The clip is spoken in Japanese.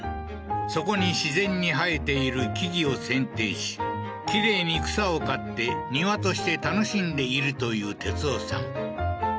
そこに自然に生えている木々をせんていしきれいに草を刈って庭として楽しんでいるという哲男さん